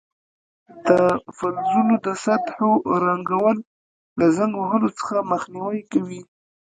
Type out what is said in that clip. د فلزونو د سطحو رنګول له زنګ وهلو څخه مخنیوی کوي.